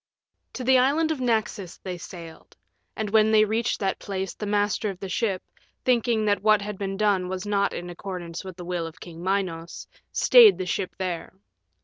VII To the Island of Naxos they sailed. And when they reached that place the master of the ship, thinking that what had been done was not in accordance with the will of King Minos, stayed the ship there.